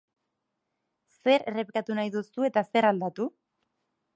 Zer errepikatu nahi duzue eta zer aldatu?